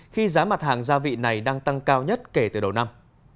khi giá mặt hàng gia vị này đang tăng cao nhất kể từ đầu năm